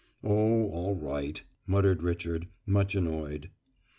"Oh, all right," muttered Richard, much annoyed.